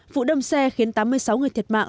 vụ đâm xe khiến tám mươi sáu người thiệt mạng